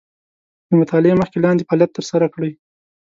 د مطالعې مخکې لاندې فعالیت تر سره کړئ.